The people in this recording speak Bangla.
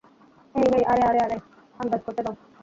হেই, হেই, আরে, আরে, আরে, আন্দাজ করতে দাও।